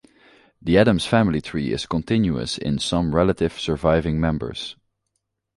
The Adams family tree is continuous in some relative surviving members.